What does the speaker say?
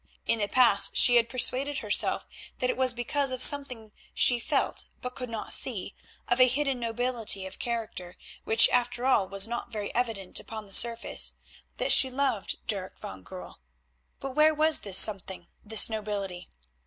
In the past she had persuaded herself that it was because of something she felt but could not see, of a hidden nobility of character which after all was not very evident upon the surface, that she loved Dirk van Goorl. But where was this something, this nobility?